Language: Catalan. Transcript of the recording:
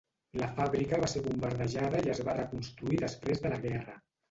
La fàbrica va ser bombardejada i es va reconstruir després de la guerra.